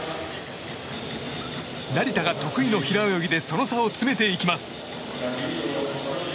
成田が得意の背泳ぎでその差を詰めていきます。